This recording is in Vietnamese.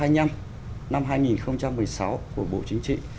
năm hai nghìn một mươi sáu của bộ chính trị